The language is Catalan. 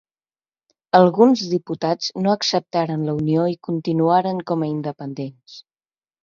Alguns diputats no acceptaren la unió i continuaren com a independents.